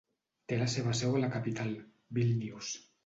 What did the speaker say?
Té la seva seu a la capital, Vílnius.